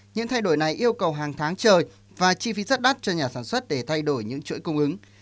những thay đổi này yêu cầu hàng tháng trời và chi phí rất đắt cho nhà sản xuất để thay đổi những chuỗi cung ứng